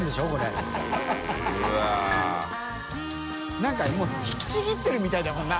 燭もう引きちぎってるみたいだもんな。